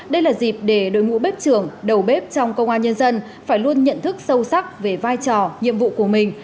đây là dịp để đội ngũ bếp trưởng đầu bếp trong công an nhân dân phải luôn nhận thức sâu sắc về vai trò nhiệm vụ của mình